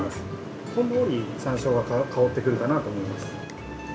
ほんのり山椒が香ってくるかなと思います。